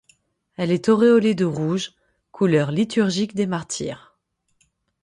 Elle est auréolée de rouge, couleur liturgique des martyrs.